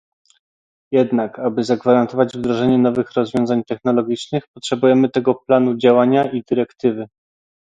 Jednak, aby zagwarantować wdrożenie nowych rozwiązań technologicznych, potrzebujemy tego planu działania i dyrektywy